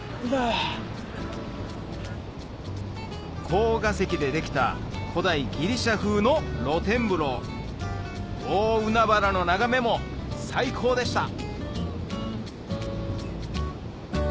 コーガ石でできた古代ギリシャ風の露天風呂大海原の眺めも最高でした！